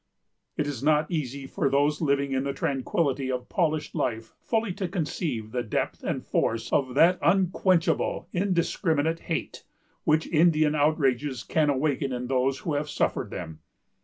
It is not easy for those living in the tranquillity of polished life fully to conceive the depth and force of that unquenchable, indiscriminate hate, which Indian outrages can awaken in those who have suffered them.